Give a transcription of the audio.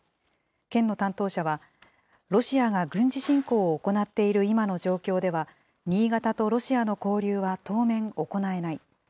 県の担当者は、ロシアが軍事侵攻を行っている今の状況では、新潟とロシアの交流は当面行えない。